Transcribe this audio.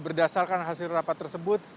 berdasarkan hasil rapat tersebut